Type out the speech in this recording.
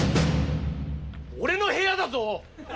俺の部屋だぞ！？